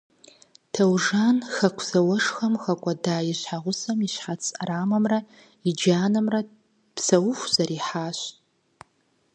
Таужан хэку зауэшхуэм хэкӏуэдэ и щхьэгъусэм и щхьэц ӏэрамэмрэ и джанэмрэ псэуху зэриыхьащ.